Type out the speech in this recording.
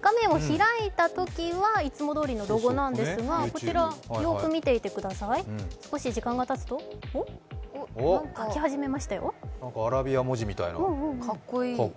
画面を開いたときはいつもどおりのロゴなんですが、こちらよく見ていてください、少し時間がたつとアラビア文字みたいな、かっこいい。